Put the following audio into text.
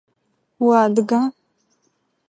Уадыга?